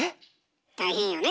大変よね